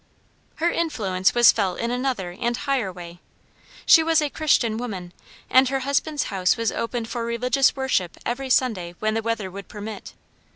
Her influence was felt in another and higher way. She was a Christian woman, and her husband's house was opened for religious worship every Sunday when the weather would permit.